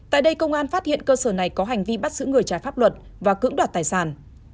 tại đây công an phát hiện cơ sở này có hành vi bắt giữ người trái pháp luật và cưỡng đoạt tài sản